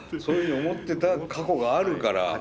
そういうの思ってた過去があるから？